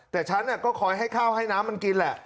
แต่ฉันก็คอยให้ข้าวให้น้ำมันกินแหละ